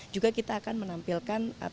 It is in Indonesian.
juga kita akan menampilkan